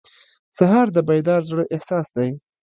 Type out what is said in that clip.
سهار د بیدار زړه احساس دی.